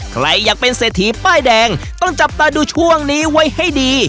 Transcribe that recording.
ใครอยากเป็นเศรษฐีป้ายแดงต้องจับตาดูช่วงนี้ไว้ให้ดี